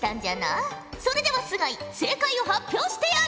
それでは須貝正解を発表してやれ。